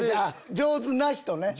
「上手な人」ね！